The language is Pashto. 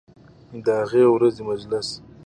د هغې ورځې مجلس